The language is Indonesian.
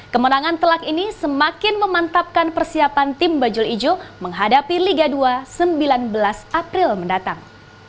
kemenangan telak ini semakin memantapkan persiapan tim bajul ijo menghadapi liga dua sembilan belas april mendatang